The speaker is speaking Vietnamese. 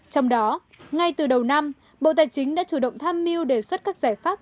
trong đó ngay từ đầu năm bộ tài chính đã chủ động tham mưu đề xuất các giải pháp